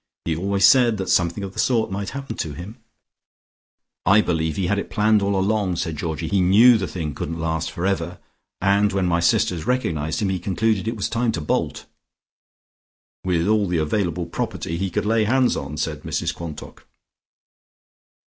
He always said that something of the sort might happen to him " "I believe he had planned it all along," said Georgie. "He knew the thing couldn't last for ever, and when my sisters recognised him, he concluded it was time to bolt." "With all the available property he could lay hands on," said Mrs Quantock.